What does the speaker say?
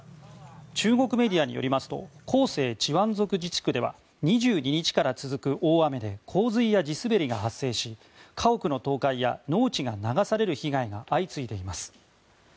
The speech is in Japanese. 中国メディアによりますと広西チワン族自治区では２２日から続く大雨で洪水や地滑りが発生し家屋の倒壊や農地が流される被害が相次いでいます。